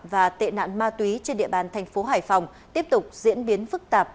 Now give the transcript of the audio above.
và tệ nạn ma túy trên địa bàn thành phố hải phòng tiếp tục diễn biến phức tạp